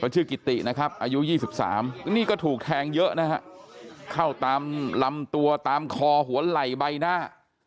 ชื่อกิตินะครับอายุ๒๓นี่ก็ถูกแทงเยอะนะฮะเข้าตามลำตัวตามคอหัวไหล่ใบหน้า